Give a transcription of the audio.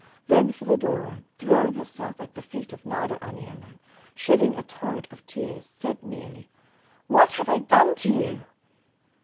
Then Filadoro, throwing herself at the feet of Nardo Aniello, shedding a torrent of tears, said merely, "What have I done to you?"